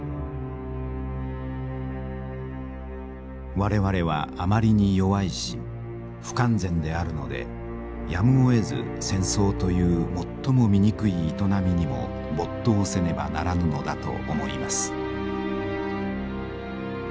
「我々はあまりに弱いし不完全であるのでやむをえず戦争という最も醜い営みにも没頭せねばならぬのだと思います」。